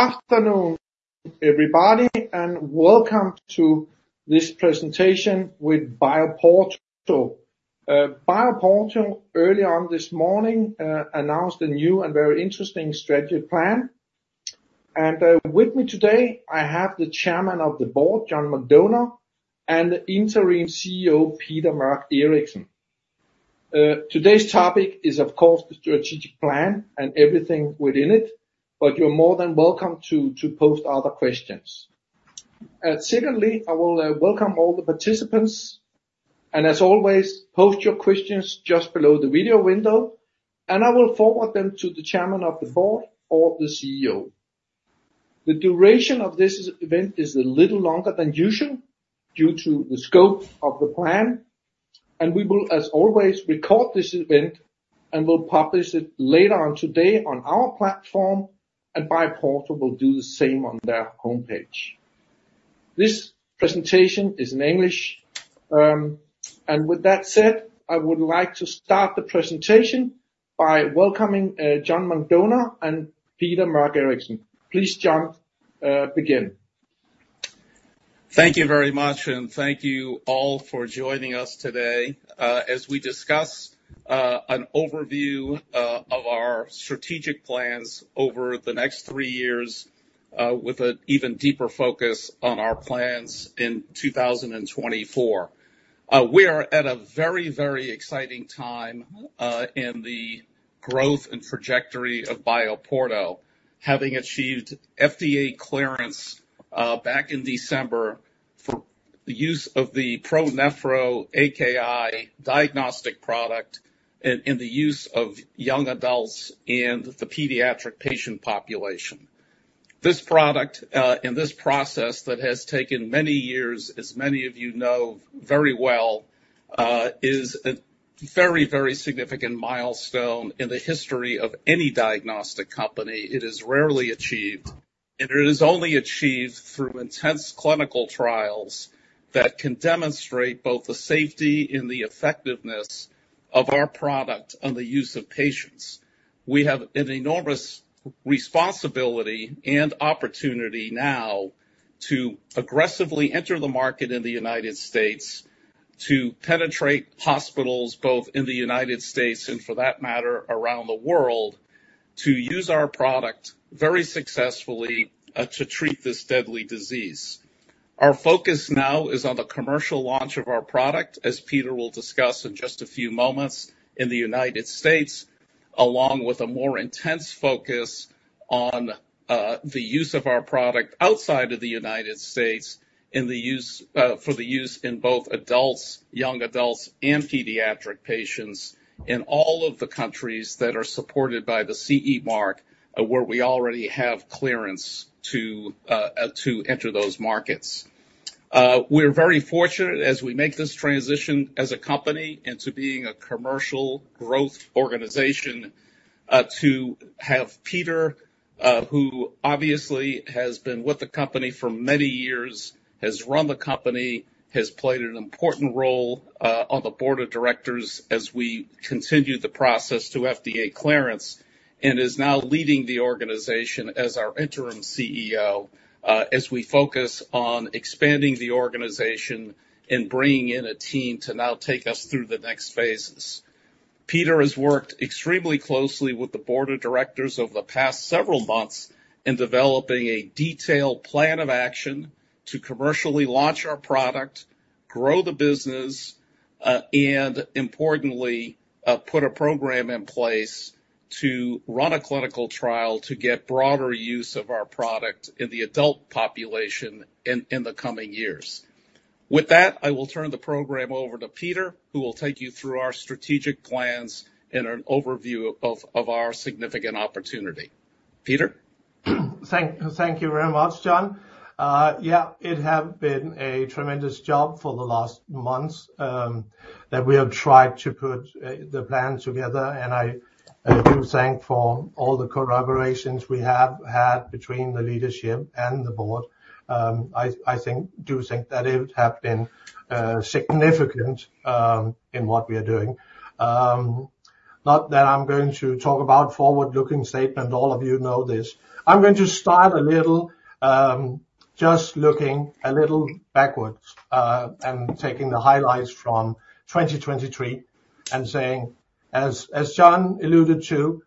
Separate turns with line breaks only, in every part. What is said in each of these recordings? Afternoon, everybody, and welcome to this presentation with BioPorto. BioPorto, early on this morning, announced a new and very interesting strategic plan. With me today, I have the Chairman of the Board, John McDonough, and the interim CEO, Peter Mørch Eriksen. Today's topic is, of course, the strategic plan and everything within it, but you're more than welcome to post other questions. Secondly, I will welcome all the participants, and as always, post your questions just below the video window, and I will forward them to the Chairman of the Board or the CEO. The duration of this event is a little longer than usual due to the scope of the plan, and we will, as always, record this event and will publish it later on today on our platform, and BioPorto will do the same on their homepage. This presentation is in English, and with that said, I would like to start the presentation by welcoming John McDonough and Peter Mørch Eriksen. Please, John, begin.
Thank you very much, and thank you all for joining us today. As we discuss an overview of our strategic plans over the next three years, with an even deeper focus on our plans in 2024. We are at a very, very exciting time in the growth and trajectory of BioPorto, having achieved FDA clearance back in December for the use of the ProNephro AKI diagnostic product in the use of young adults and the pediatric patient population. This product, and this process that has taken many years, as many of you know very well, is a very, very significant milestone in the history of any diagnostic company. It is rarely achieved, and it is only achieved through intense clinical trials that can demonstrate both the safety and the effectiveness of our product on the use of patients. We have an enormous responsibility and opportunity now to aggressively enter the market in the United States, to penetrate hospitals both in the United States and, for that matter, around the world, to use our product very successfully, to treat this deadly disease. Our focus now is on the commercial launch of our product, as Peter will discuss in just a few moments, in the United States, along with a more intense focus on the use of our product outside of the United States for use in both adults, young adults, and pediatric patients in all of the countries that are supported by the CE mark, where we already have clearance to enter those markets. We're very fortunate, as we make this transition as a company into being a commercial growth organization, to have Peter, who obviously has been with the company for many years, has run the company, has played an important role on the board of directors as we continue the process to FDA clearance, and is now leading the organization as our interim CEO, as we focus on expanding the organization and bringing in a team to now take us through the next phases. Peter has worked extremely closely with the board of directors over the past several months in developing a detailed plan of action to commercially launch our product, grow the business, and importantly, put a program in place to run a clinical trial to get broader use of our product in the adult population in the coming years. With that, I will turn the program over to Peter, who will take you through our strategic plans and an overview of, of our significant opportunity. Peter?
Thank you very much, John. Yeah, it has been a tremendous job for the last months that we have tried to put the plan together, and I do thank for all the collaborations we have had between the leadership and the board. I think that it has been significant in what we are doing. Not that I'm going to talk about forward-looking statements, all of you know this. I'm going to start a little, just looking a little backwards, and taking the highlights from 2023 and saying, as John alluded to,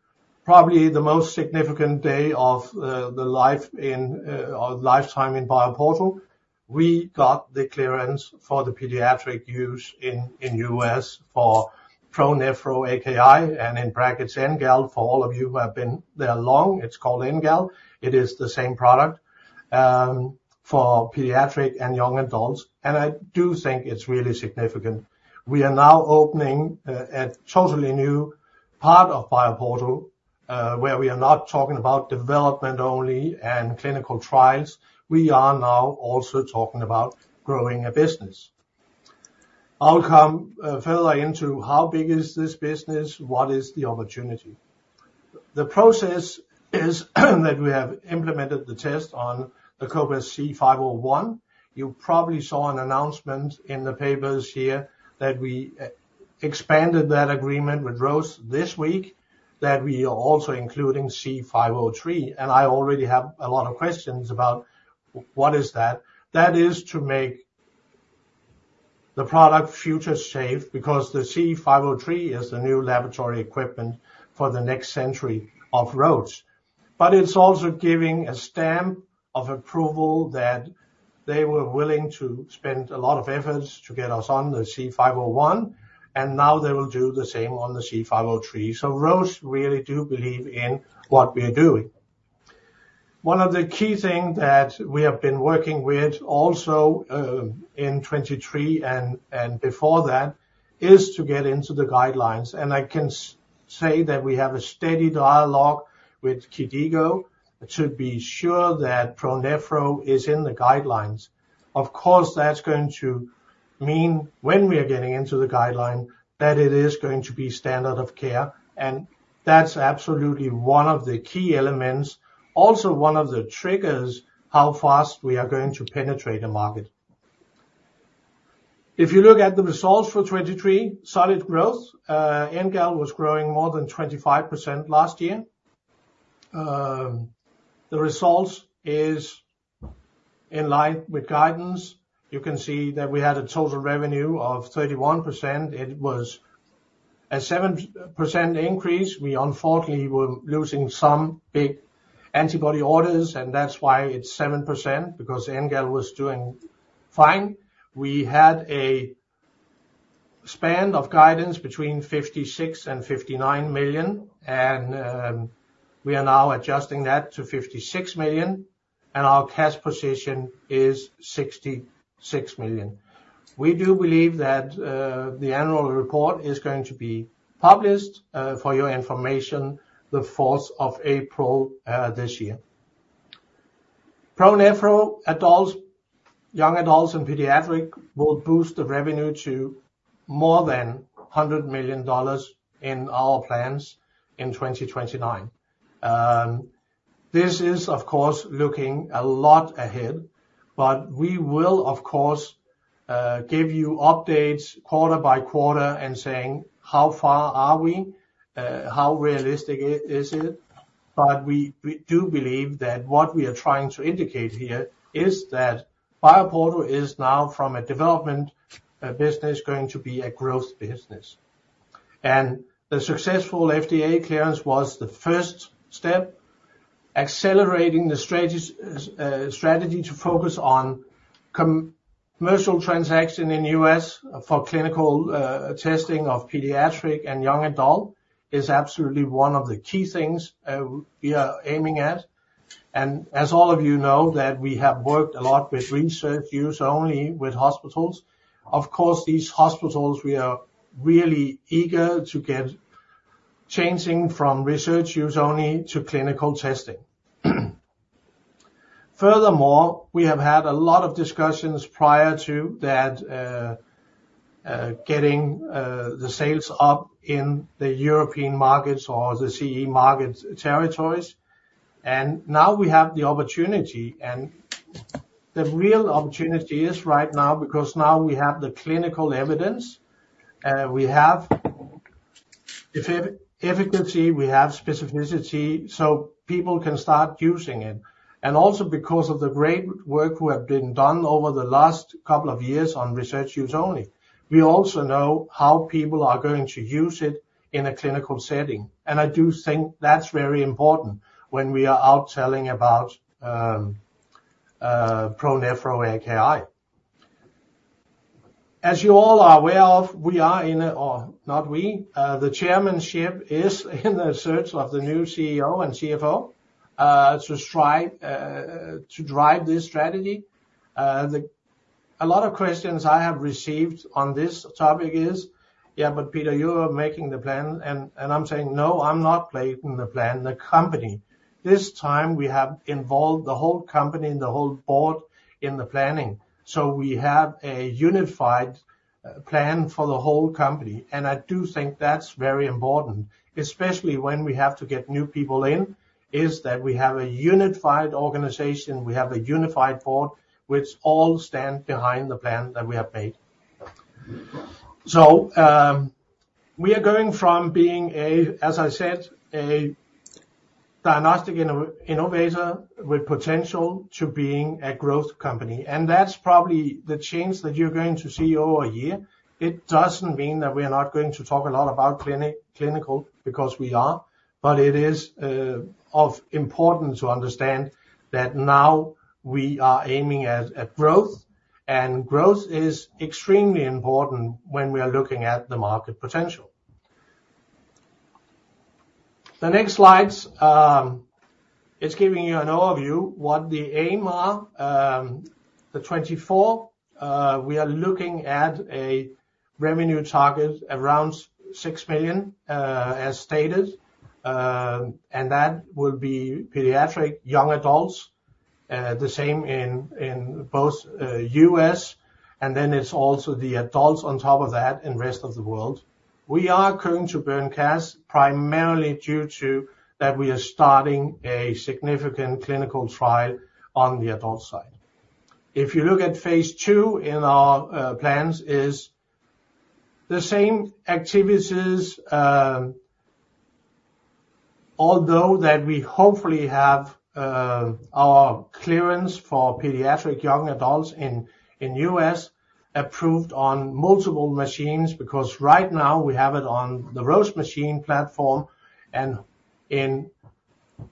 probably the most significant day of the life in, or lifetime in BioPorto, we got the clearance for the pediatric use in the US for ProNephro AKI (NGAL). For all of you who have been there long, it's called NGAL. It is the same product for pediatric and young adults. I do think it's really significant. We are now opening a totally new part of BioPorto, where we are not talking about development only and clinical trials. We are now also talking about growing a business. I'll come further into how big is this business, what is the opportunity. The process is that we have implemented the test on the cobas c 501. You probably saw an announcement in the papers here that we expanded that agreement with Roche this week, that we are also including c 503. And I already have a lot of questions about what is that. That is to make the product future-safe because the c 503 is the new laboratory equipment for the next generation of Roche. But it's also giving a stamp of approval that they were willing to spend a lot of efforts to get us on the C501, and now they will do the same on the c 503. So Roche really do believe in what we are doing. One of the key things that we have been working with also, in 2023 and before that, is to get into the guidelines. And I can say that we have a steady dialogue with KDIGO to be sure that ProNephro is in the guidelines. Of course, that's going to mean, when we are getting into the guideline, that it is going to be standard of care. And that's absolutely one of the key elements, also one of the triggers, how fast we are going to penetrate a market. If you look at the results for 2023, solid growth. NGAL was growing more than 25% last year. The results are in line with guidance. You can see that we had a total revenue of 31%. It was a 7% increase. We, unfortunately, were losing some big antibody orders, and that's why it's 7%, because NGAL was doing fine. We had a span of guidance between 56 million-59 million, and we are now adjusting that to 56 million, angd our cash position is 66 million. We do believe that the annual report is going to be published, for your information, the 4th of April, this year. ProNephro adults, young adults, and pediatric will boost the revenue to more than $100 million in our plans in 2029. This is, of course, looking a lot ahead, but we will, of course, give you updates quarter by quarter and saying, how far are we? How realistic is it? But we do believe that what we are trying to indicate here is that BioPorto is now, from a development business, going to be a growth business. The successful FDA clearance was the first step. Accelerating the strategy to focus on commercial transaction in the US for clinical testing of pediatric and young adult is absolutely one of the key things we are aiming at. And as all of you know, that we have worked a lot with research use only with hospitals. Of course, these hospitals, we are really eager to get changing from research use only to clinical testing. Furthermore, we have had a lot of discussions prior to that getting the sales up in the European markets or the CE market territories. And now we have the opportunity. The real opportunity is right now because now we have the clinical evidence. We have efficacy. We have specificity so people can start using it. And also because of the great work who have been done over the last couple of years on research use only, we also know how people are going to use it in a clinical setting. And I do think that's very important when we are out telling about ProNephro AKI. As you all are aware of, we are in a or not we, the chairmanship is in the search of the new CEO and CFO, to strive, to drive this strategy. A lot of questions I have received on this topic is, "Yeah, but Peter, you are making the plan." And, and I'm saying, "No, I'm not making the plan, the company." This time, we have involved the whole company, the whole board, in the planning. So we have a unified plan for the whole company. I do think that's very important, especially when we have to get new people in, is that we have a unified organization. We have a unified board which all stand behind the plan that we have made. We are going from being a, as I said, a diagnostic innovator with potential to being a growth company. That's probably the change that you're going to see over a year. It doesn't mean that we are not going to talk a lot about clinic-clinical because we are, but it is, of importance to understand that now we are aiming at, at growth. Growth is extremely important when we are looking at the market potential. The next slides, it's giving you an overview of what the aims are. In 2024, we are looking at a revenue target around 6 million, as stated. That will be pediatric, young adults, the same in both U.S. Then it's also the adults on top of that in the rest of the world. We are going to burn cash primarily due to that we are starting a significant clinical trial on the adult side. If you look at phase two in our plans, it's the same activities, although that we hopefully have our clearance for pediatric young adults in the U.S. approved on multiple machines because right now we have it on the Roche machine platform. And in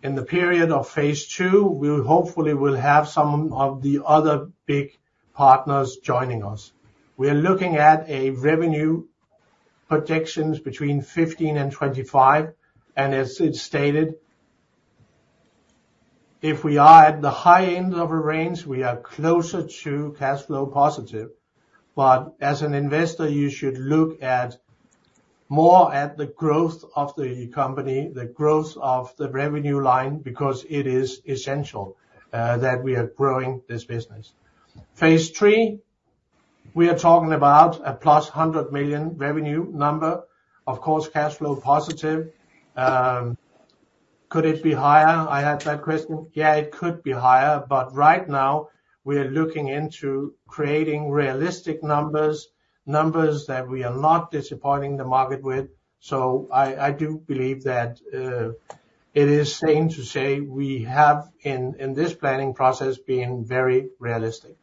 the period of phase two, we hopefully will have some of the other big partners joining us. We are looking at revenue projections between 2015 and 2025. And as it's stated, if we are at the high end of a range, we are closer to cash flow positive. But as an investor, you should look more at the growth of the company, the growth of the revenue line because it is essential that we are growing this business. Phase three, we are talking about a +$100 million revenue number. Of course, cash flow positive. Could it be higher? I had that question. Yeah, it could be higher. But right now, we are looking into creating realistic numbers, numbers that we are not disappointing the market with. So I, I do believe that it is safe to say we have, in, in this planning process, been very realistic.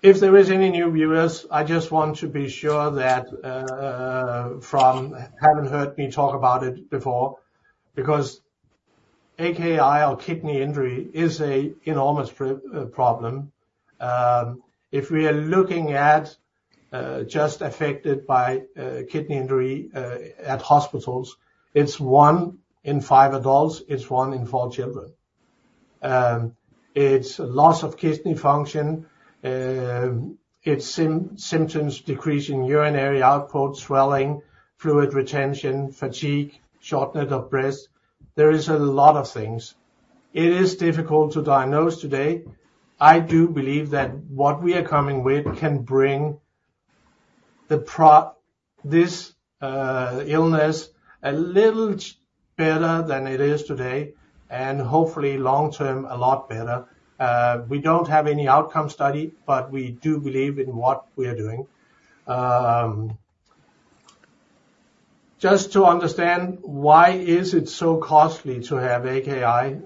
If there are any new viewers, I just want to be sure that they haven't heard me talk about it before because AKI, or kidney injury, is an enormous problem. If we are looking at just affected by kidney injury at hospitals, it's one in five adults. It's one in four children. It's loss of kidney function. It's symptoms decrease in urinary output, swelling, fluid retention, fatigue, shortness of breath. There are a lot of things. It is difficult to diagnose today. I do believe that what we are coming with can bring the prognosis of this illness a little better than it is today and hopefully, long-term, a lot better. We don't have any outcome study, but we do believe in what we are doing. Just to understand why is it so costly to have AKI?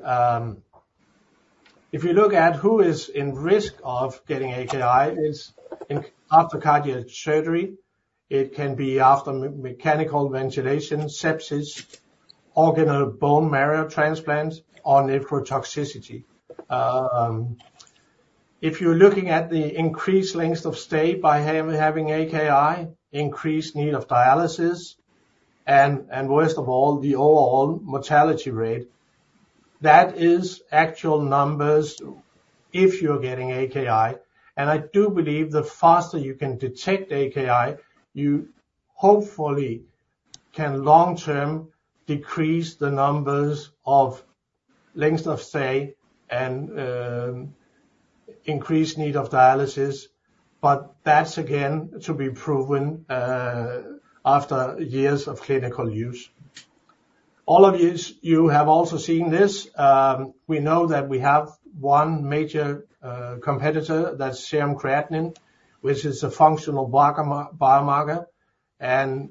If you look at who is in risk of getting AKI, it's in after cardiac surgery. It can be after mechanical ventilation, sepsis, organ or bone marrow transplant, or nephrotoxicity. If you're looking at the increased length of stay by having AKI, increased need of dialysis, and, and worst of all, the overall mortality rate, that is actual numbers. If you're getting AKI. And I do believe the faster you can detect AKI, you hopefully can, long-term, decrase the numbers of length of stay and, increased need of dialysis. But that's, again, to be proven, after years of clinical use. All of you, you have also seen this. We know that we have one major, competitor. That's serum creatinine, which is a functional biomarker. And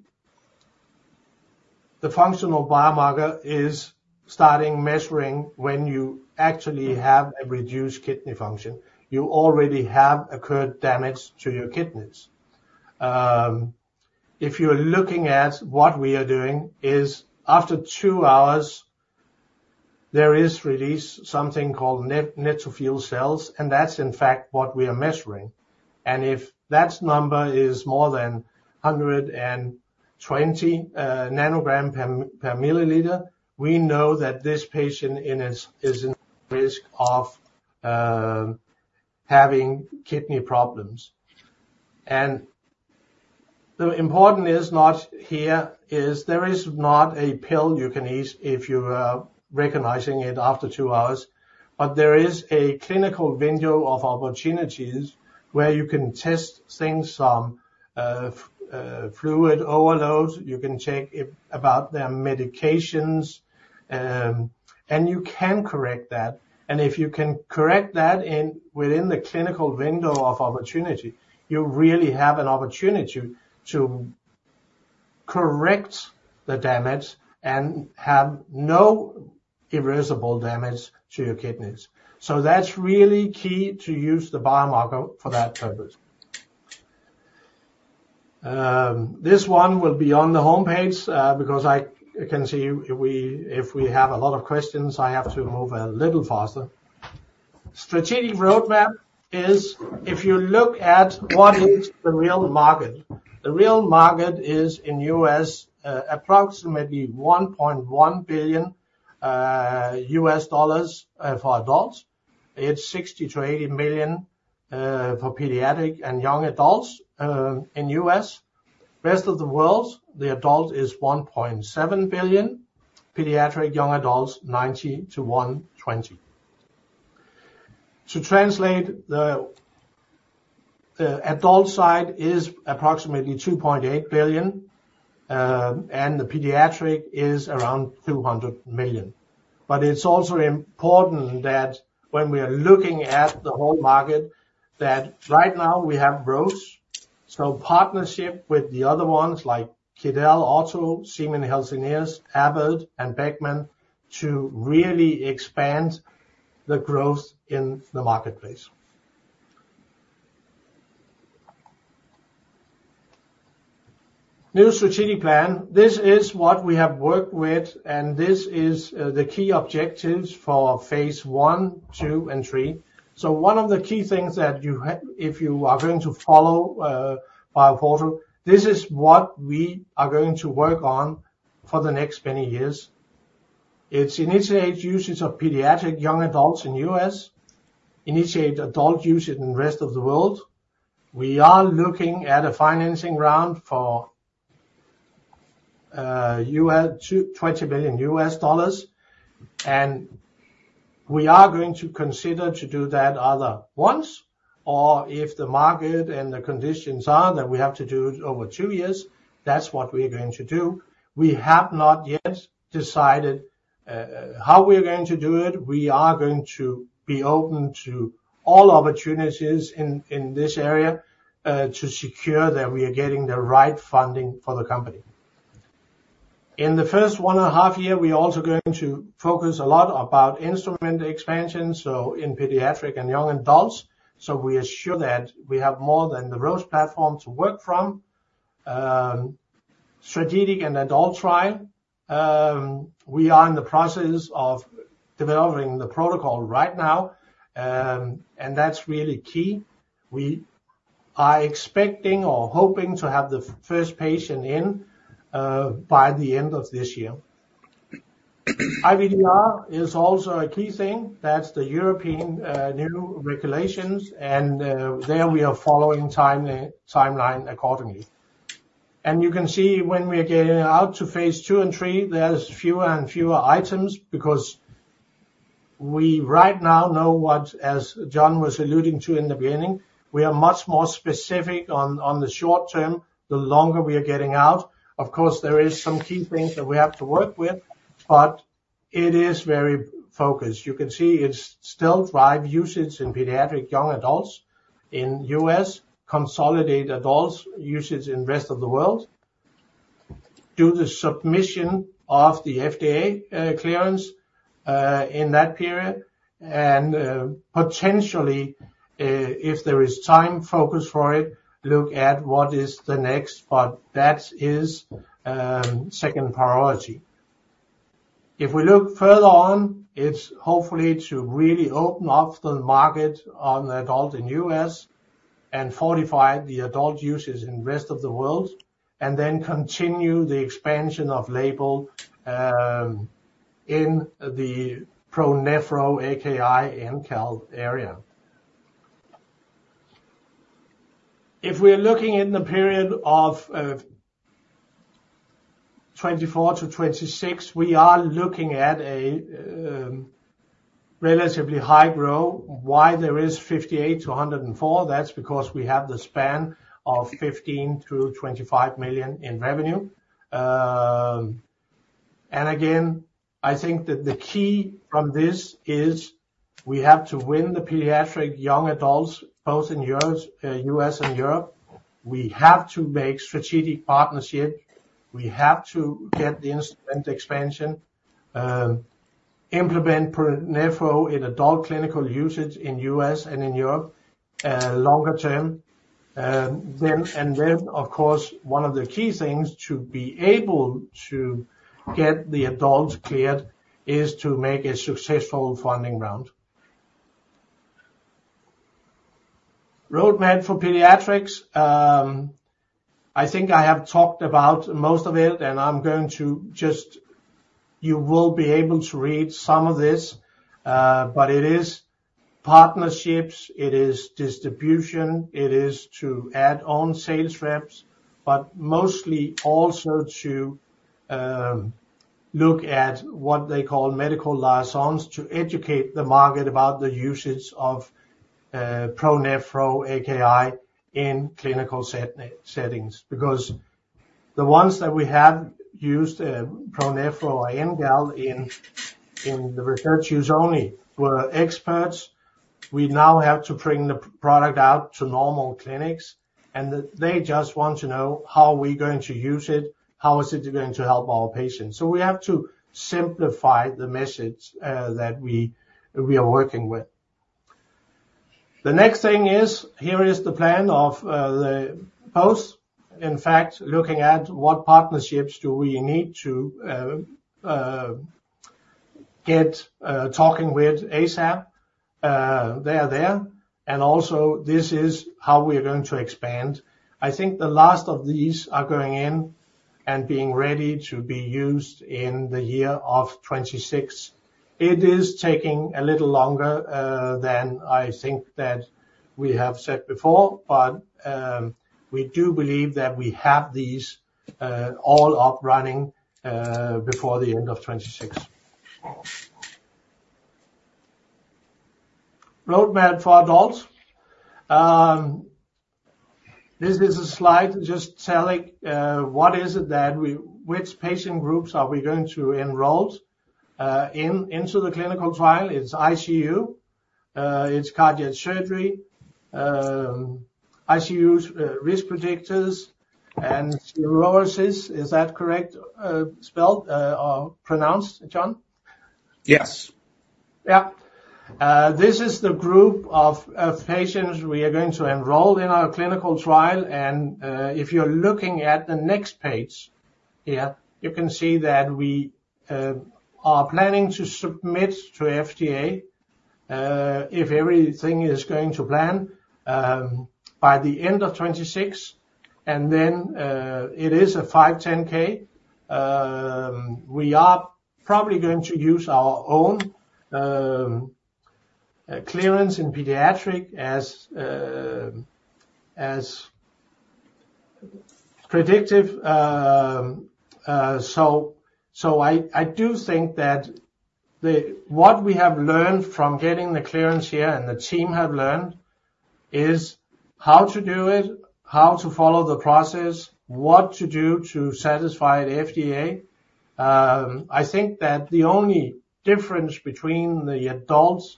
the functional biomarker is starting measuring when you actually have a reduced kidney function. You already have occurred damage to your kidneys. If you're looking at what we are doing, after two hours, there is released something called neutrophil cells. And that's, in fact, what we are measuring. And if that number is more than 120 nanograms per milliliter, we know that this patient is in risk of, having kidney problems. The important is there is not a pill you can eat if you are recognizing it after two hours. But there is a clinical window of opportunities where you can test things, some fluid overload. You can check about their medications, and you can correct that. If you can correct that within the clinical window of opportunity, you really have an opportunity to correct the damage and have no irreversible damage to your kidneys. So that's really key to use the biomarker for that purpose. This one will be on the homepage, because I can see if we have a lot of questions, I have to move a little faster. The strategic roadmap is if you look at what is the real market, the real market is in the U.S., approximately $1.1 billion for adults. It's $60-$80 million for pediatric and young adults in the US. The rest of the world, the adult is $1.7 billion, pediatric young adults 90-120. To translate the adult side is approximately $2.8 billion, and the pediatric is around $200 million. But it's also important that when we are looking at the whole market, that right now we have RUO. So partnership with the other ones like Roche, Siemens Healthineers, Abbott, and Beckman to really expand the growth in the marketplace. New strategic plan. This is what we have worked with, and this is the key objectives for phase one, two, and three. So one of the key things that you have if you are going to follow BioPorto, this is what we are going to work on for the next many years. It's initiate usage of pediatric young adults in the US, initiate adult usage in the rest of the world. We are looking at a financing round for $20 billion. We are going to consider to do that other ones. Or if the market and the conditions are that we have to do it over two years, that's what we are going to do. We have not yet decided how we are going to do it. We are going to be open to all opportunities in this area to secure that we are getting the right funding for the company. In the first one and a half year, we are also going to focus a lot about instrument expansion. So in pediatric and young adults. So we assure that we have more than the Roche platform to work from. Strategic and adult trial. We are in the process of developing the protocol right now. That's really key. We are expecting or hoping to have the first patient in by the end of this year. IVDR is also a key thing. That's the European new regulations. There we are following timeline accordingly. You can see when we are getting out to phase two and three, there's fewer and fewer items because we right now know what, as John was alluding to in the beginning, we are much more specific on the short term. The longer we are getting out, of course, there are some key things that we have to work with, but it is very focused. You can see it's still drive usage in pediatric young adults in the U.S., consolidate adults usage in the rest of the world, do the submission of the FDA clearance in that period. And, potentially, if there is time focus for it, look at what is the next. But that is, second priority. If we look further on, it's hopefully to really open up the market on the adult in the US and fortify the adult usage in the rest of the world and then continue the expansion of label, in the ProNephro AKI and NGAL area. If we are looking in the period of, 2024 to 2026, we are looking at a, relatively high growth. Why there is 58%-104%, that's because we have the span of 15 million-25 million in revenue. And again, I think that the key from this is we have to win the pediatric young adults, both in Europe, US and Europe. We have to make strategic partnership. We have to get the instrument expansion, implement ProNephro in adult clinical usage in the U.S. and in Europe, longer term. Then and then, of course, one of the key things to be able to get the adults cleared is to make a successful funding round. Roadmap for pediatrics. I think I have talked about most of it, and I'm going to just you will be able to read some of this. But it is partnerships. It is distribution. It is to add-on sales reps, but mostly also to, look at what they call medical liaisons to educate the market about the usage of, ProNephro AKI in clinical settings because the ones that we have used, ProNephro or NGAL in, in the research use only were experts. We now have to bring the product out to normal clinics, and they just want to know how we're going to use it. How is it going to help our patients? So we have to simplify the message that we we are working with. The next thing is here is the plan of the post. In fact, looking at what partnerships do we need to get, talking with ASAP. They are there. And also, this is how we are going to expand. I think the last of these are going in and being ready to be used in the year of 2026. It is taking a little longer than I think that we have said before, but we do believe that we have these all up running before the end of 2026. Roadmap for adults. This is a slide just telling what is it that we which patient groups are we going to enroll in into the clinical trial? It's ICU. It's cardiac surgery. ICU's risk predictors and cirrhosis. Is that correct, spelled, or pronounced, John?
Yes. Yeah, this is the group of patients we are going to enroll in our clinical trial. If you're looking at the next page here, you can see that we are planning to submit to FDA, if everything is going to plan, by the end of 2026. And then, it is a 510(k). We are probably going to use our own clearance in pediatric as predictive. So I do think that what we have learned from getting the clearance here and the team have learned is how to do it, how to follow the process, what to do to satisfy the FDA. I think that the only difference between the adults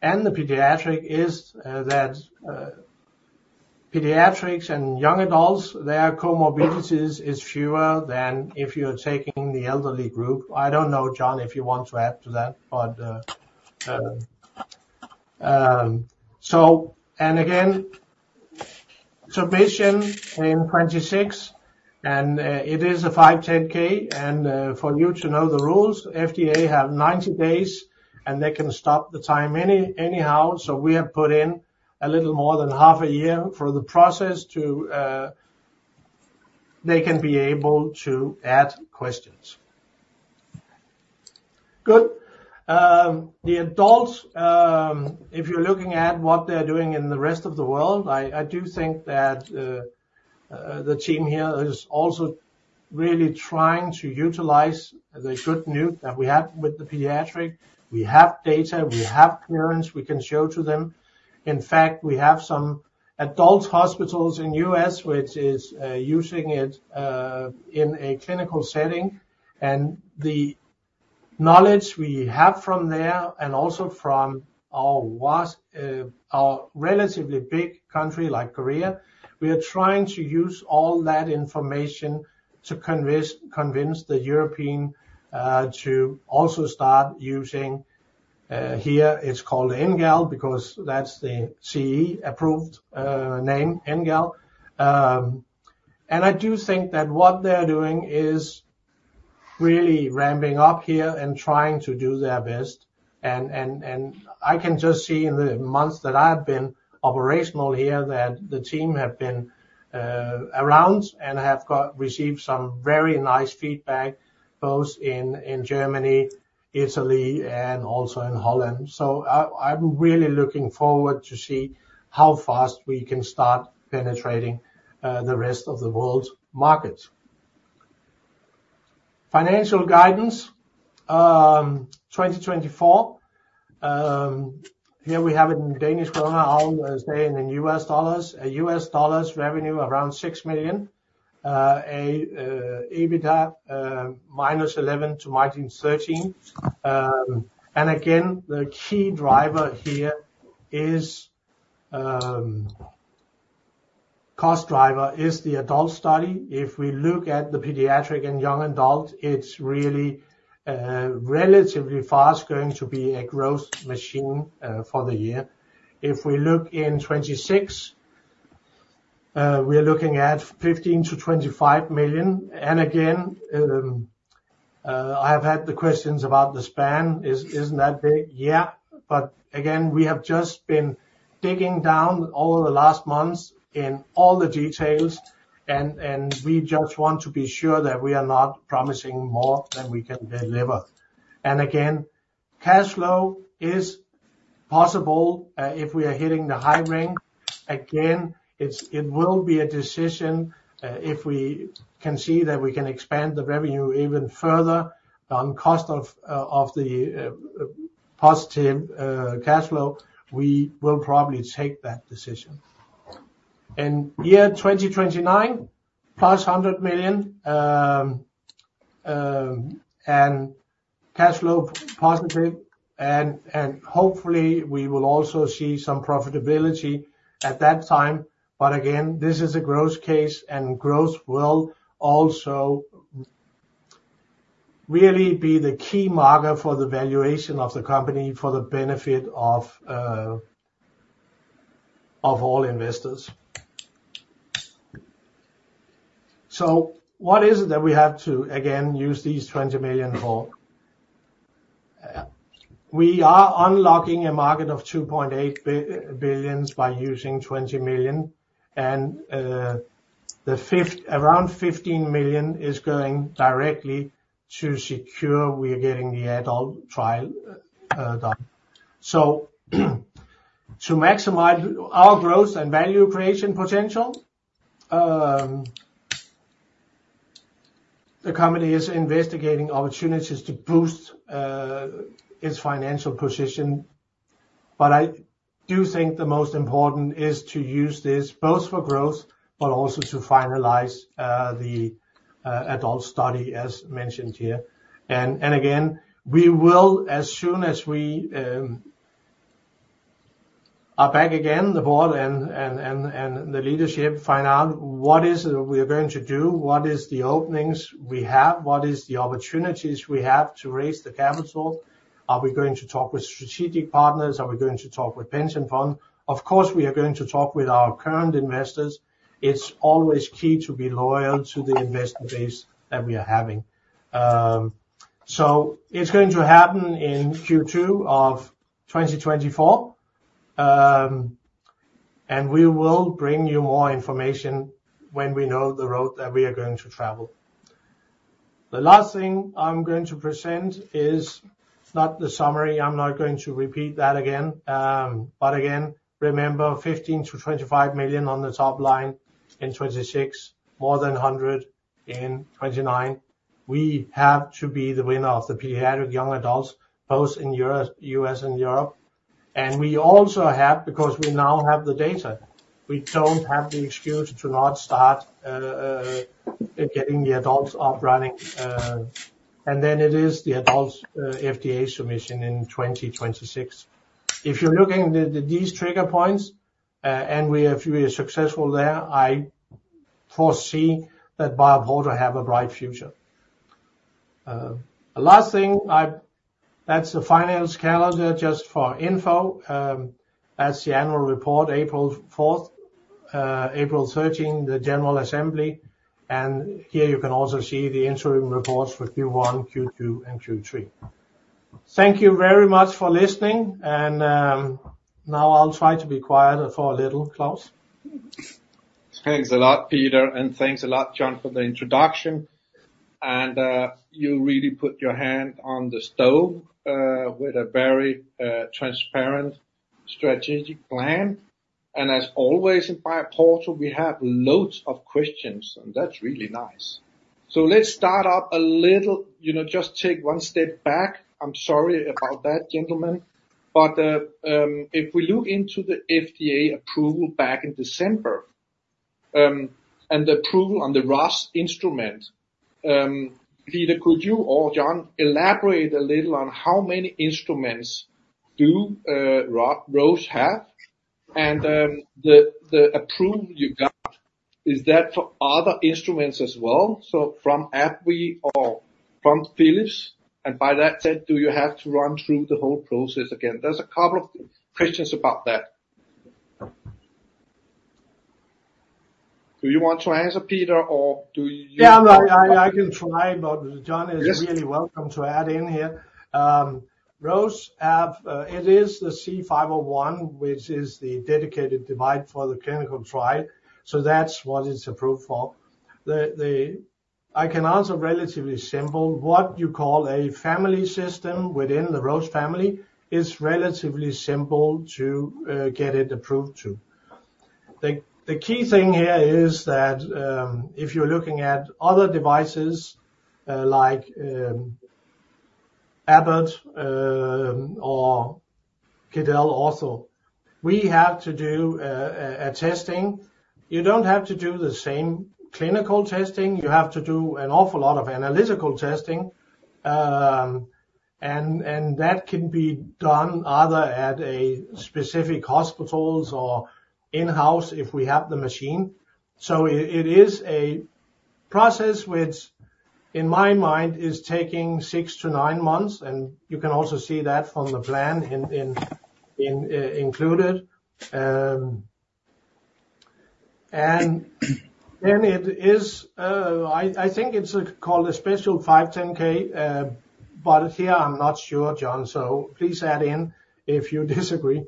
and the pediatric is that pediatrics and young adults, their comorbidities is fewer than if you're taking the elderly group. I don't know, John, if you want to add to that, but so and again, submission in 2026. It is a 510(k). For you to know the rules, FDA have 90 days, and they can stop the time any anyhow. So we have put in a little more than half a year for the process to they can be able to add questions. Good. The adults, if you're looking at what they're doing in the rest of the world, I do think that the team here is also really trying to utilize the good news that we have with the pediatric. We have data. We have clearance. We can show to them. In fact, we have some adult hospitals in the U.S., which is using it in a clinical setting. The knowledge we have from there and also from our US, our relatively big country like Korea, we are trying to use all that information to convince the Europeans to also start using; here it's called NGAL because that's the CE-approved name, NGAL. And I do think that what they're doing is really ramping up here and trying to do their best. And I can just see in the months that I have been operational here that the team have been around and have got received some very nice feedback both in Germany, Italy, and also in Holland. So I'm really looking forward to see how fast we can start penetrating the rest of the world's markets. Financial guidance, 2024. Here we have it in Danish kroner. I'll say in US dollars, US dollars revenue around $6 million, EBITDA -$11 million to $13 million. And again, the key driver here is, cost driver is the adult study. If we look at the pediatric and young adult, it's really, relatively fast going to be a growth machine, for the year. If we look in 2026, we are looking at $15 million-$25 million. And again, I have had the questions about the span. Isn't that big? Yeah. But again, we have just been digging down all the last months in all the details, and we just want to be sure that we are not promising more than we can deliver. And again, cash flow is possible, if we are hitting the high end. Again, it will be a decision if we can see that we can expand the revenue even further on the cost of the positive cash flow; we will probably take that decision. In 2029, +$100 million, and cash flow positive. And hopefully, we will also see some profitability at that time. But again, this is a growth case, and growth will also really be the key marker for the valuation of the company for the benefit of all investors. So what is it that we have to, again, use these $20 million for? We are unlocking a market of $2.8 billion by using $20 million. And thereof around $15 million is going directly to secure that we are getting the adult trial done. So to maximize our growth and value creation potential, the company is investigating opportunities to boost its financial position. But I do think the most important is to use this both for growth, but also to finalize the adult study, as mentioned here. And again, we will, as soon as we are back again, the board and the leadership find out what is it we are going to do, what is the openings we have, what is the opportunities we have to raise the capital. Are we going to talk with strategic partners? Are we going to talk with pension funds? Of course, we are going to talk with our current investors. It's always key to be loyal to the investment base that we are having. So it's going to happen in Q2 of 2024. And we will bring you more information when we know the road that we are going to travel. The last thing I'm going to present is not the summary. I'm not going to repeat that again. But again, remember 15 million-25 million on the top line in 2026, more than 100 million in 2029. We have to be the winner of the pediatric young adults post in Europe, US, and Europe. And we also have because we now have the data, we don't have the excuse to not start, getting the adults up running. And then it is the adults, FDA submission in 2026. If you're looking at these trigger points, and we are if we are successful there, I foresee that BioPorto have a bright future. The last thing I that's the finance calendar just for info. That's the annual report, April 4th, April 13, the general assembly. And here you can also see the interim reports for Q1, Q2, and Q3. Thank you very much for listening. Now I'll try to be quiet for a little, Klaus.
Thanks a lot, Peter. And thanks a lot, John, for the introduction. You really put your hand on the stove with a very transparent strategic plan. And as always in BioPorto, we have loads of questions, and that's really nice. So let's start up a little you know, just take one step back. I'm sorry about that, gentlemen. But if we look into the FDA approval back in December, and the approval on the Roche instrument, Peter, could you or John elaborate a little on how many instruments do Roche have? And the approval you got, is that for other instruments as well? So from Abbott or from Philips? And by that said, do you have to run through the whole process again? There's a couple of questions about that. Do you want to answer, Peter, or do you?
Yeah, I can try, but John is really welcome to add in here. Roche has it; it is the cobas c 501, which is the dedicated device for the clinical trial. So that's what it's approved for. The, the, I can answer relatively simple. What you call a family system within the Roche family is relatively simple to get it approved to. The key thing here is that, if you're looking at other devices, like Abbott or Beckman also, we have to do testing. You don't have to do the same clinical testing. You have to do an awful lot of analytical testing, and that can be done either at specific hospitals or in-house if we have the machine. So it is a process which, in my mind, is taking 6-9 months. And you can also see that from the plan included. And then it is, I think it's called a special 510(k). But here I'm not sure, John. So please add in if you disagree.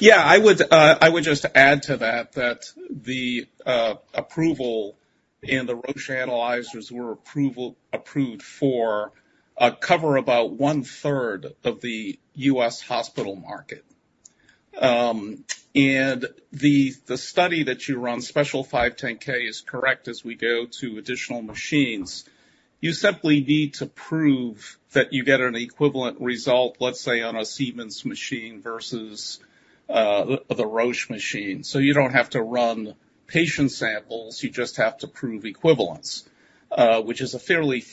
Yeah, I would just add to that that the approval and the Roche analyzers were approved for cover about one-third of the U.S. hospital market. And the study that you run, special 510(k), is correct as we go to additional machines. You simply need to prove that you get an equivalent result, let's say, on a Siemens machine versus the Roche machine. So you don't have to run patient samples. You just have to prove equivalence, which is a fairly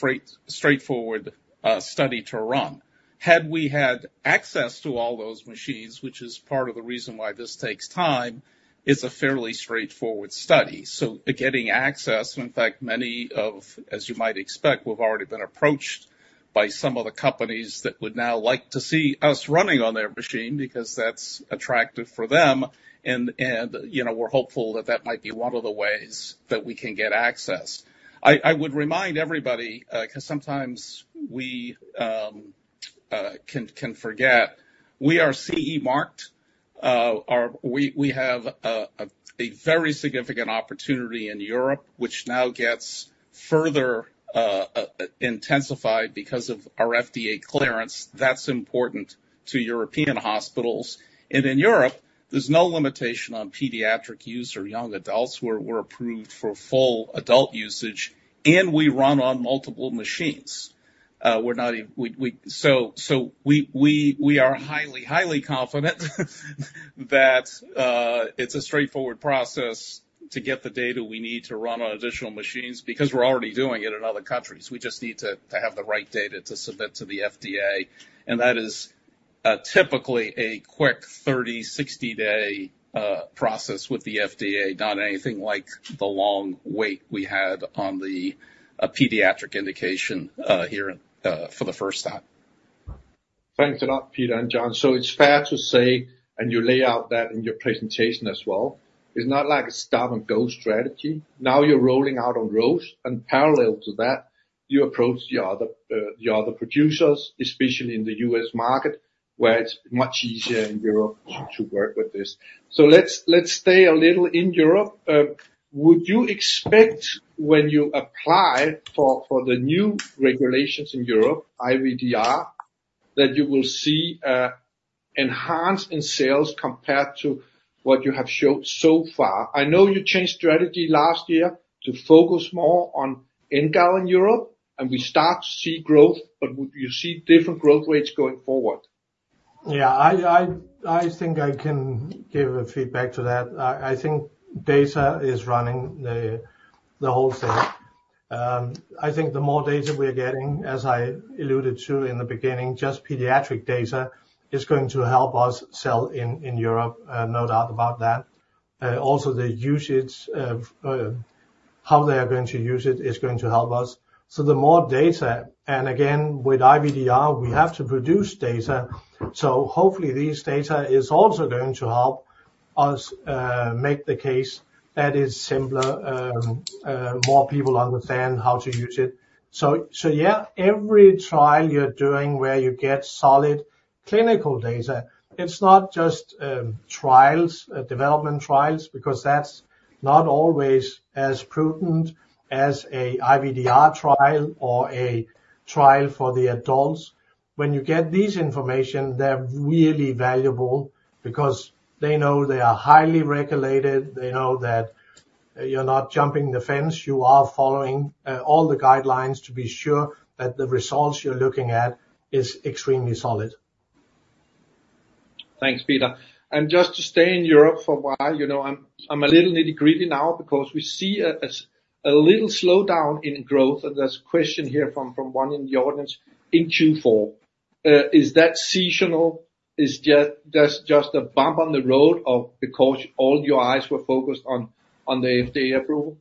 straightforward study to run. Had we had access to all those machines, which is part of the reason why this takes time, it's a fairly straightforward study. So getting access and, in fact, many of, as you might expect, we've already been approached by some of the companies that would now like to see us running on their machine because that's attractive for them. And you know, we're hopeful that that might be one of the ways that we can get access. I would remind everybody, because sometimes we can forget, we are CE marked. We have a very significant opportunity in Europe, which now gets further intensified because of our FDA clearance. That's important to European hospitals. And in Europe, there's no limitation on pediatric use or young adults. We're approved for full adult usage, and we run on multiple machines. We are highly confident that it's a straightforward process to get the data we need to run on additional machines because we're already doing it in other countries. We just need to have the right data to submit to the FDA. That is typically a quick 30-60-day process with the FDA, not anything like the long wait we had on the pediatric indication here for the first time.
Thanks a lot, Peter and John. So it's fair to say, and you lay out that in your presentation as well, it's not like a stop-and-go strategy. Now you're rolling out on Roche. And parallel to that, you approach the other, the other producers, especially in the US market, where it's much easier in Europe to, to work with this. So let's, let's stay a little in Europe. Would you expect when you apply for, for the new regulations in Europe, IVDR, that you will see enhanced in sales compared to what you have showed so far? I know you changed strategy last year to focus more on NGAL in Europe, and we start to see growth. But would you see different growth rates going forward?
Yeah, I think I can give a feedback to that. I think data is running the whole thing. I think the more data we are getting, as I alluded to in the beginning, just pediatric data is going to help us sell in Europe, no doubt about that. Also, the use, it's how they are going to use it is going to help us. So the more data and again, with IVDR, we have to produce data. So hopefully, these data is also going to help us make the case that it's simpler, more people understand how to use it. So yeah, every trial you're doing where you get solid clinical data, it's not just trials, development trials, because that's not always as prudent as an IVDR trial or a trial for the adults. When you get this information, they're really valuable because they know they are highly regulated. They know that you're not jumping the fence. You are following all the guidelines to be sure that the results you're looking at are extremely solid.
Thanks, Peter. And just to stay in Europe for a while, you know, I'm a little nitty-gritty now because we see a little slowdown in growth. And there's a question here from one in the audience in Q4. Is that seasonal? Is just a bump on the road or because all your eyes were focused on the FDA approval?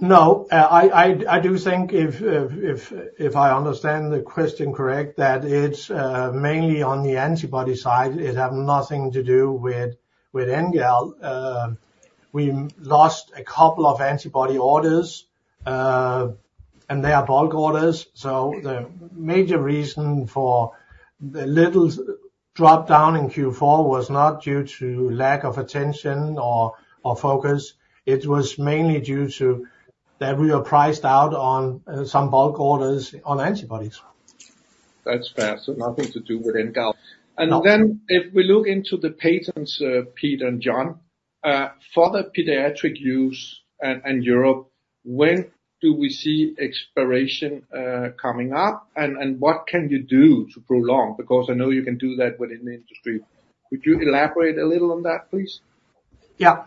No, I do think if I understand the question correct, that it's mainly on the antibody side. It has nothing to do with NGAL. We lost a couple of antibody orders, and they are bulk orders. So the major reason for the little dropdown in Q4 was not due to lack of attention or focus. It was mainly due to that we were priced out on some bulk orders on antibodies.
That's fair. So nothing to do with NGAL. And then if we look into the patents, Peter and John, for the pediatric use and Europe, when do we see expiration coming up? And what can you do to prolong? Because I know you can do that within the industry. Could you elaborate a little on that, please?
Yeah,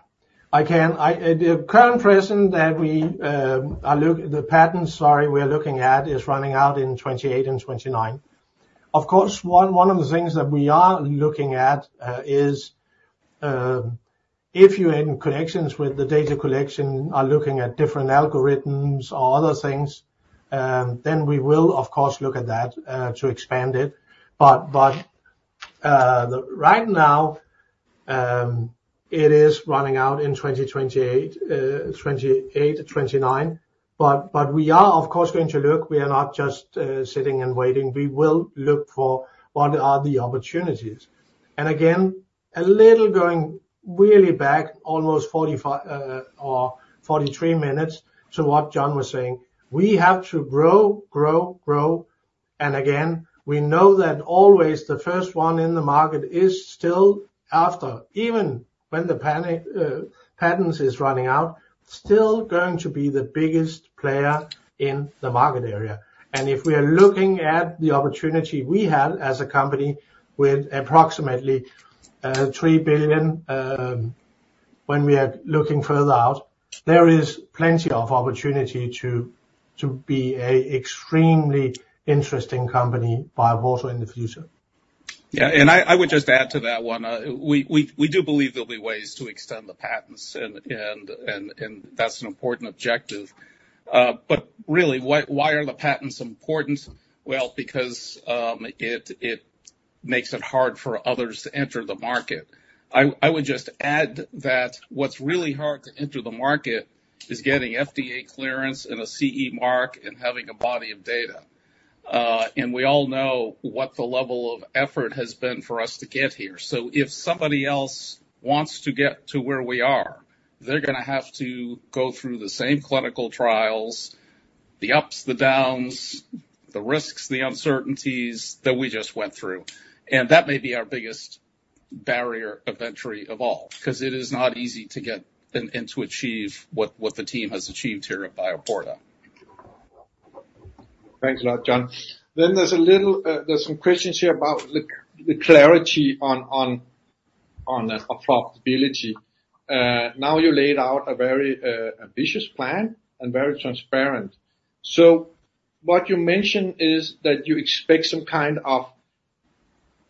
I can. At the current present that we are looking the patents, sorry, we are looking at is running out in 2028 and 2029. Of course, one of the things that we are looking at is, if you're in connections with the data collection, are looking at different algorithms or other things, then we will, of course, look at that to expand it. But right now, it is running out in 2028, 2028, 2029. But we are, of course, going to look. We are not just sitting and waiting. We will look for what are the opportunities. And again, a little going really back, almost 45 or 43 minutes to what John was saying. We have to grow, grow, grow. And again, we know that always the first one in the market is still after, even when the patents is running out, still going to be the biggest player in the market area. And if we are looking at the opportunity we had as a company with approximately 3 billion, when we are looking further out, there is plenty of opportunity to be an extremely interesting company, BioPorto, in the future.
Yeah, and I would just add to that one. We do believe there'll be ways to extend the patents. And that's an important objective. But really, why are the patents important? Well, because it makes it hard for others to enter the market. I would just add that what's really hard to enter the market is getting FDA clearance and a CE mark and having a body of data. We all know what the level of effort has been for us to get here. So if somebody else wants to get to where we are, they're going to have to go through the same clinical trials, the ups, the downs, the risks, the uncertainties that we just went through. That may be our biggest barrier eventually of all because it is not easy to get and to achieve what the team has achieved here at BioPorto.
Thanks a lot, John. Then there's some questions here about the clarity on profitability. Now you laid out a very ambitious plan and very transparent. So what you mentioned is that you expect some kind of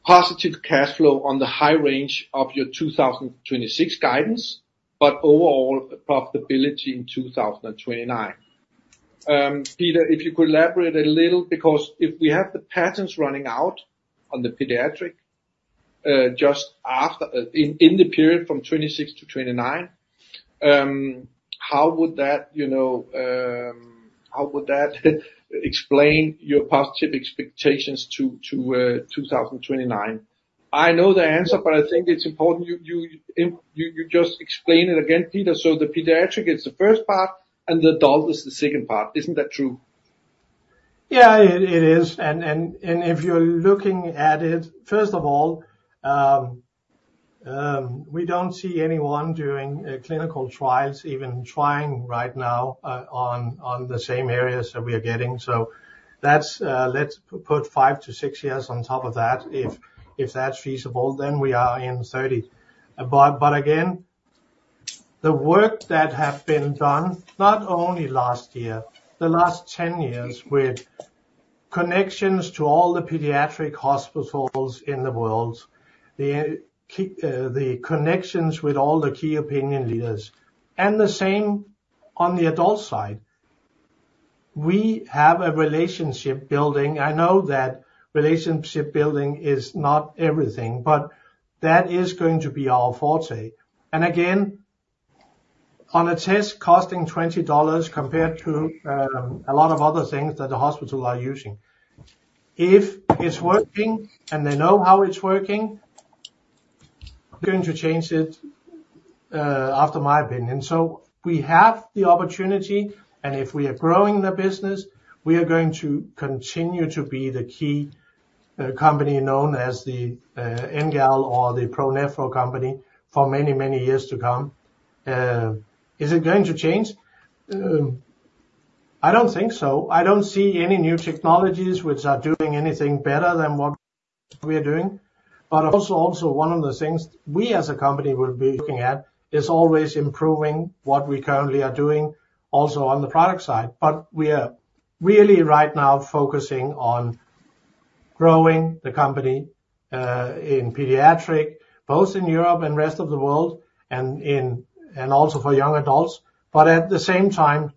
positive cash flow on the high range of your 2026 guidance, but overall profitability in 2029. Peter, if you could elaborate a little because if we have the patents running out on the pediatric just after in the period from 2026 to 2029, how would that, you know, how would that explain your positive expectations to 2029? I know the answer, but I think it's important you just explain it again, Peter. So the pediatric is the first part, and the adult is the second part. Isn't that true?
Yeah, it, it is. And, and, and if you're looking at it, first of all, we don't see anyone doing clinical trials, even trying right now, on, on the same areas that we are getting. So that's, let's put 5-6 years on top of that. If, if that's feasible, then we are in 2030. But, but again, the work that has been done, not only last year, the last 10 years with connections to all the pediatric hospitals in the world, the key the connections with all the key opinion leaders, and the same on the adult side, we have a relationship building. I know that relationship building is not everything, but that is going to be our forte. And again, on a test costing $20 compared to a lot of other things that the hospitals are using, if it's working and they know how it's working, they're going to change it, after my opinion. So we have the opportunity. And if we are growing the business, we are going to continue to be the key company known as the NGAL or the ProNephro company for many, many years to come. Is it going to change? I don't think so. I don't see any new technologies which are doing anything better than what we are doing. But also, one of the things we as a company will be looking at is always improving what we currently are doing also on the product side. But we are really right now focusing on growing the company in pediatric, both in Europe and rest of the world and in also for young adults. But at the same time,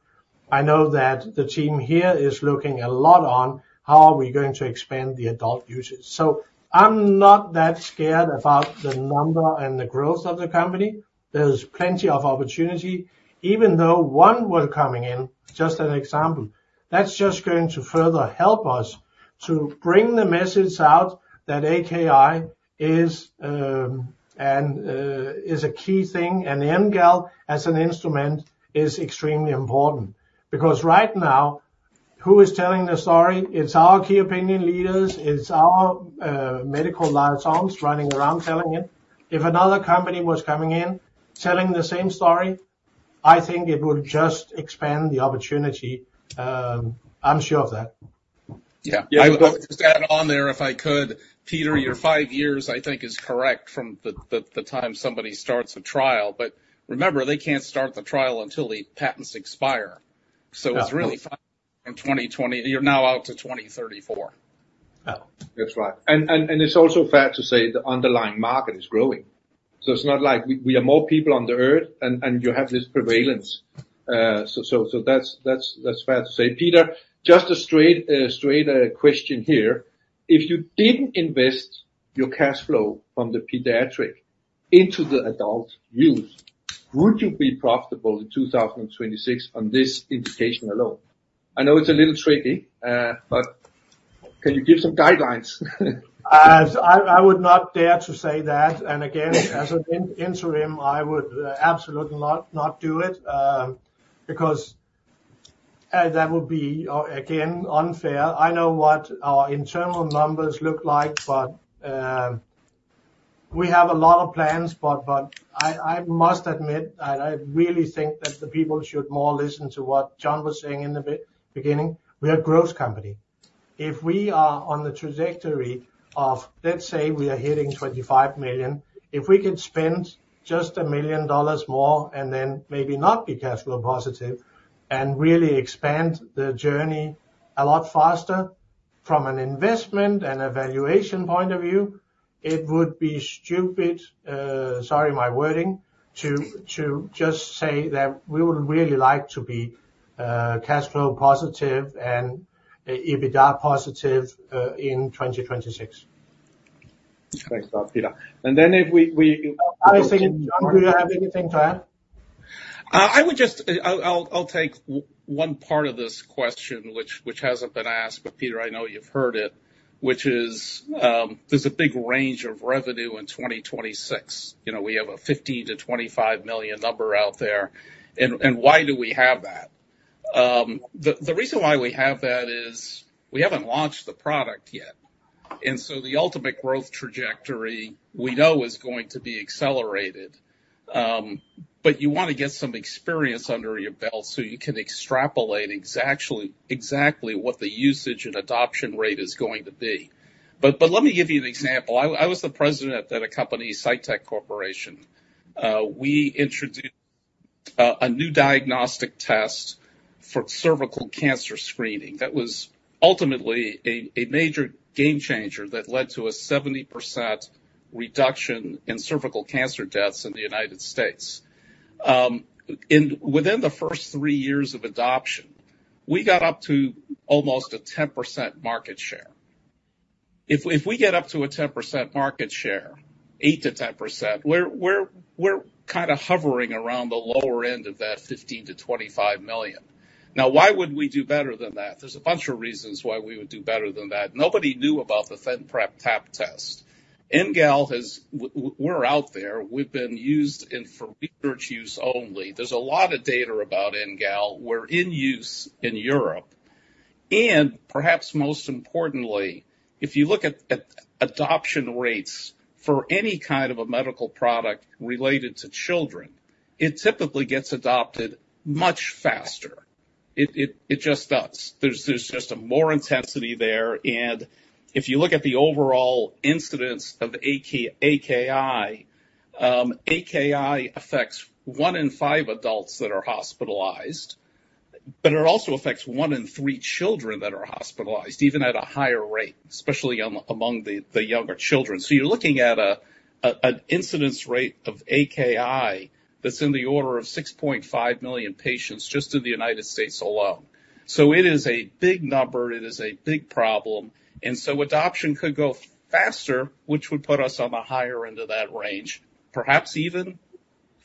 I know that the team here is looking a lot on how are we going to expand the adult usage. So I'm not that scared about the number and the growth of the company. There's plenty of opportunity, even though one was coming in, just an example, that's just going to further help us to bring the message out that AKI is a key thing. And NGAL as an instrument is extremely important because right now, who is telling the story? It's our key opinion leaders. It's our medical liaisons running around telling it. If another company was coming in telling the same story, I think it would just expand the opportunity. I'm sure of that.
Yeah, yeah, I would just add on there if I could, Peter. Your five years, I think, is correct from the time somebody starts a trial. But remember, they can't start the trial until the patents expire. So it's really 5 in 2020. You're now out to 2034.
Oh, that's right. And it's also fair to say the underlying market is growing. So it's not like we are more people on the earth and you have this prevalence. So that's fair to say. Peter, just a straight question here. If you didn't invest your cash flow from the pediatric into the adult use, would you be profitable in 2026 on this indication alone? I know it's a little tricky, but can you give some guidelines?
I would not dare to say that. And again, as an interim, I would absolutely not do it, because that would be, again, unfair. I know what our internal numbers look like, but we have a lot of plans. But I must admit, I really think that the people should more listen to what John was saying in the beginning. We are a growth company. If we are on the trajectory of, let's say, we are hitting $25 million, if we could spend just $1 million more and then maybe not be cash flow positive and really expand the journey a lot faster from an investment and evaluation point of view, it would be stupid, sorry, my wording, to just say that we would really like to be cash flow positive and EBITDA positive in 2026.
Thanks a lot, Peter. And then if we...
I think, John, do you have anything to add?
I would just, I'll take one part of this question, which hasn't been asked. But Peter, I know you've heard it, which is, there's a big range of revenue in 2026. You know, we have a $15 million-$25 million number out there. And why do we have that? The reason why we have that is we haven't launched the product yet. And so the ultimate growth trajectory we know is going to be accelerated. But you want to get some experience under your belt so you can extrapolate exactly, exactly what the usage and adoption rate is going to be. But let me give you an example. I was the president at a company, Cytyc Corporation. We introduced a new diagnostic test for cervical cancer screening. That was ultimately a major game changer that led to a 70% reduction in cervical cancer deaths in the United States. Within the first three years of adoption, we got up to almost a 10% market share. If we get up to a 10% market share, 8%-10%, we're kind of hovering around the lower end of that $15-$25 million. Now, why would we do better than that there's a bunch of reasons why we would do better than that. Nobody knew about the ThinPrep Pap Test. NGAL has we're out there. We've been used in for research use only. There's a lot of data about NGAL. We're in use in Europe. And perhaps most importantly, if you look at adoption rates for any kind of a medical product related to children, it typically gets adopted much faster. It just does. There's just a more intensity there. And if you look at the overall incidence of AKI, AKI affects one in five adults that are hospitalized, but it also affects one in three children that are hospitalized, even at a higher rate, especially among the younger children. So you're looking at an incidence rate of AKI that's in the order of 6.5 million patients just in the United States alone. So it is a big number. It is a big problem. And so adoption could go faster, which would put us on the higher end of that range, perhaps even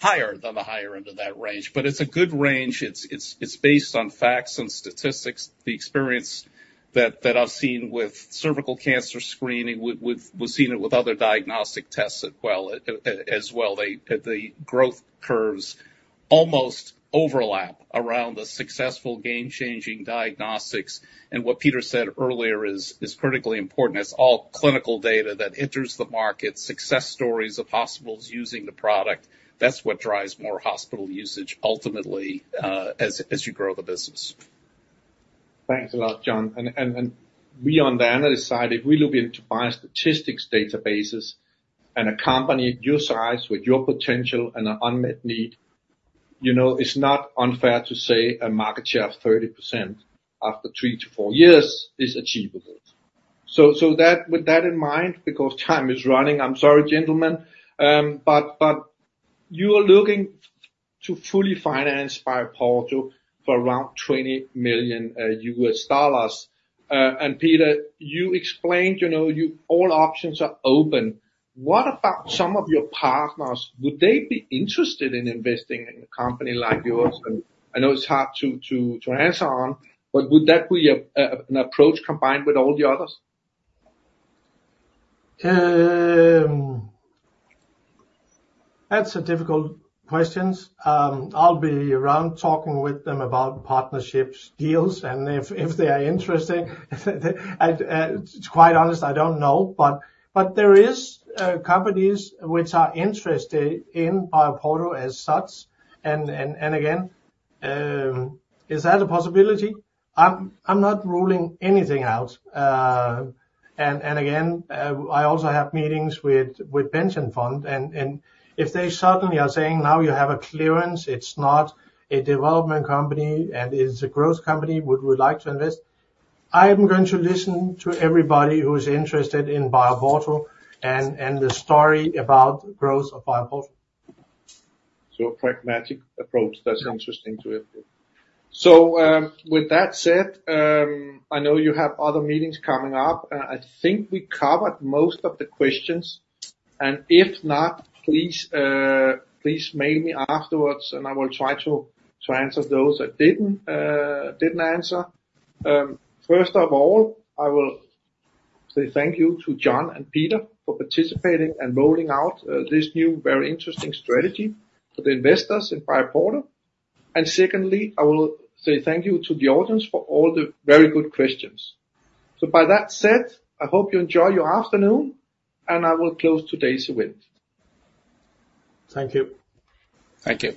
higher than the higher end of that range. But it's a good range. It's based on facts and statistics, the experience that I've seen with cervical cancer screening, with we've seen it with other diagnostic tests as well. The growth curves almost overlap around the successful game-changing diagnostics. And what Peter said earlier is critically important. It's all clinical data that enters the market, success stories of hospitals using the product. That's what drives more hospital usage ultimately, as you grow the business.
Thanks a lot, John. And beyond that, on the other side, if we look into biostatistics databases and a company your size with your potential and an unmet need, you know, it's not unfair to say a market share of 30% after three to four years is achievable. So that with that in mind, because time is running, I'm sorry, gentlemen, but you are looking to fully finance BioPorto for around $20 million. And Peter, you explained, you know, you all options are open. What about some of your partners? Would they be interested in investing in a company like yours? And I know it's hard to answer on, but would that be an approach combined with all the others?
That's a difficult question. I'll be around talking with them about partnerships, deals, and if they are interested. I, to be quite honest, I don't know. But there is companies which are interested in BioPorto as such. And again, is that a possibility? I'm not ruling anything out. And again, I also have meetings with Pension Fund. And if they suddenly are saying, "Now you have a clearance. It's not a development company, and it's a growth company. Would we like to invest?" I am going to listen to everybody who is interested in BioPorto and the story about growth of BioPorto.
So a pragmatic approach. That's interesting to hear. So, with that said, I know you have other meetings coming up. I think we covered most of the questions. And if not, please, please mail me afterwards, and I will try to answer those I didn't answer. First of all, I will say thank you to John and Peter for participating and rolling out this new, very interesting strategy for the investors in BioPorto. And secondly, I will say thank you to the audience for all the very good questions. So by that said, I hope you enjoy your afternoon, and I will close today's event.
Thank you.
Thank you.